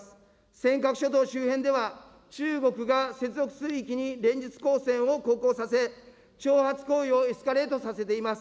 尖閣諸島周辺では、中国が接続水域に連続公船を航行させ、挑発行為をエスカレートさせています。